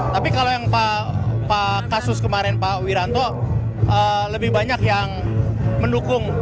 tapi kalau yang kasus kemarin pak wiranto lebih banyak yang mendukung